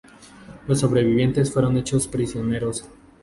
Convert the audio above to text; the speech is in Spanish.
Los sobrevivientes fueron hechos prisioneros.